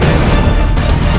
ketika kanda menang kanda menang